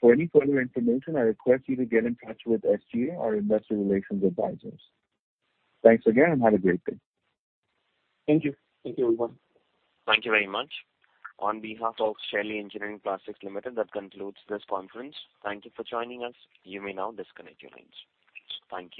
For any further information, I request you to get in touch with SGA, our investor relations advisors. Thanks again, and have a great day. Thank you. Thank you, everyone. Thank you very much. On behalf of Shaily Engineering Plastics Limited, that concludes this conference. Thank you for joining us. You may now disconnect your lines. Thank you.